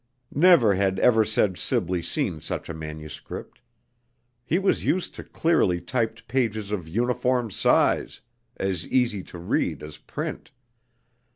Never had Eversedge Sibley seen such a manuscript. He was used to clearly typed pages of uniform size, as easy to read as print.